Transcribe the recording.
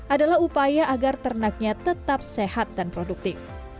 adalah upaya agar ternaknya tetap sehat dan produktif